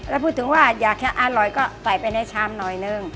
แล้วพูดถึงว่าอยากจะอร่อยก็ใส่ไปในชามหน่อยนึง